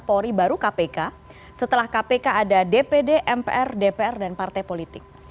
polri baru kpk setelah kpk ada dpd mpr dpr dan partai politik